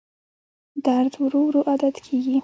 درد ورو ورو عادت کېږي.